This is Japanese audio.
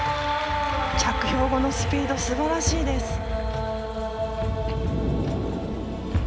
着氷後のスピードすばらしいです。